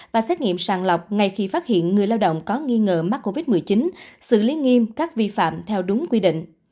và xét nghiệm sàng lọc ngay khi phát hiện người lao động có nghi ngờ mắc covid một mươi chín xử lý nghiêm các vi phạm theo đúng quy định